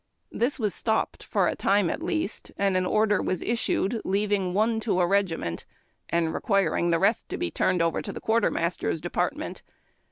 Tliis was stopped, for a time at least, and an order was issued, leaving one to a regiment and requiring the rest to be turned over to the quartermaster's department.